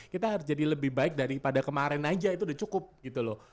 kita harus jadi lebih baik daripada kemarin aja itu udah cukup gitu loh